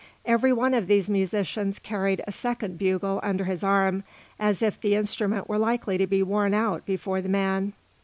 Every one of these musicians carried a second bugle under his arm, as if the instrument were likely to be worn out before the man.